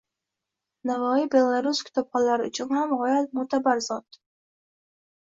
Navoiy - Belarus kitobxonlari uchun ham g‘oyat mo‘’tabar zotng